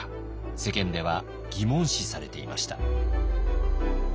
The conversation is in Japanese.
世間では疑問視されていました。